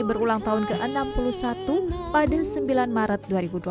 berulang tahun ke enam puluh satu pada sembilan maret dua ribu dua puluh